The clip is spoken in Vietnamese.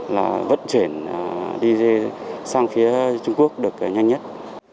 là vận chuyển đi sang phía trung quốc được nhanh nhất